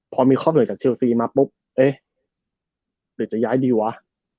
พอมีข้อความเหนื่อยจากเชลซีก็ว่า